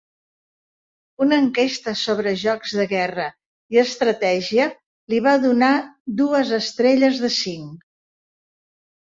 Una enquesta sobre jocs de guerra i estratègia li va donar dues estrelles de cinc.